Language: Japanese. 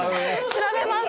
調べます。